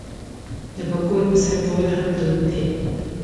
د پکول په سر کول هم دود دی.